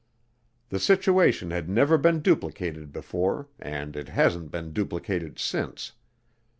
The situation had never been duplicated before, and it hasn't been duplicated since.